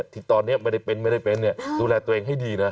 ที่ตอนนี้ไม่ได้เป็นไม่ได้เป็นดูแลตัวเองให้ดีนะ